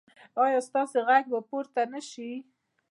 ایا ستاسو غږ به پورته نه شي؟